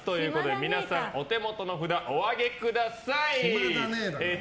皆さん、お手元の札を上げてください。